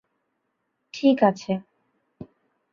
ঠিক আছে।